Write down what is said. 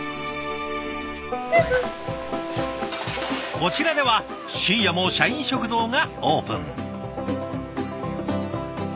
こちらでは深夜も社員食堂がオープン。